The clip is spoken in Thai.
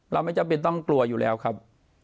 ไม่จำเป็นต้องกลัวอยู่แล้วครับ